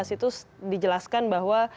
itu dijelaskan bahwa